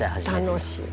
楽しい。